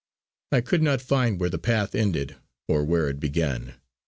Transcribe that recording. I could not find where the path ended or where it began.